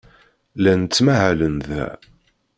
Llan ttmahalen da.